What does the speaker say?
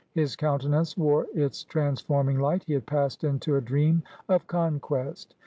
His countenance wore its transforming light; he had passed into a dream of conquest.